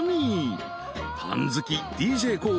［パン好きＤＪＫＯＯ。